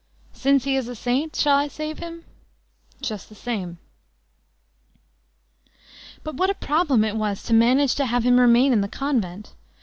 Since he is a saint, shall I save him? Just the same." But what a problem it was to manage to have him remain in the convent!